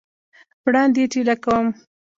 وړاندي یې ټېله کوم !